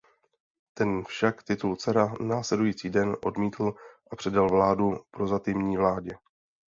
Ten však titul cara následující den odmítl a předal vládu Prozatímní vládě.